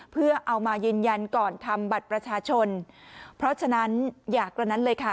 เพื่อเอามายืนยันก่อนทำบัตรประชาชนเพราะฉะนั้นอย่ากระนั้นเลยค่ะ